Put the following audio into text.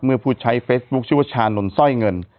ผู้ใช้เฟซบุ๊คชื่อว่าชานนท์สร้อยเงิน